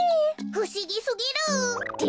ふしぎすぎる！って